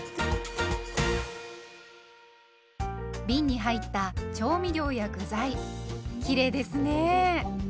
びんに入った調味料や具材きれいですね。